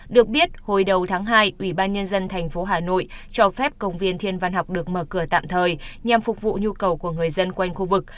được biết hồi đầu tháng hai ủy ban nhân dân thành phố hà nội cho phép công viên thiên văn học được mở cửa tạm thời nhằm phục vụ nhu cầu của người dân quanh khu vực